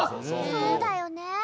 そうだよね。